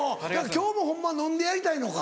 今日も本番飲んでやりたいのか。